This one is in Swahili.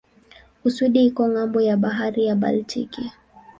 Uswidi iko ng'ambo ya bahari ya Baltiki.